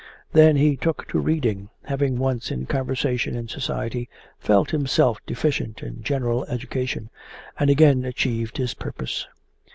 Then he took to reading, having once in conversation in society felt himself deficient in general education and again achieved his purpose.